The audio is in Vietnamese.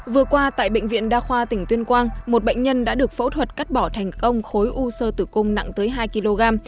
vừa qua tại bệnh viện đa khoa tỉnh tuyên quang một bệnh nhân đã được phẫu thuật cắt bỏ thành công khối u sơ tử cung nặng tới hai kg